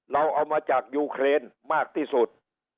เราเอามาจากยูเครนมากที่สุด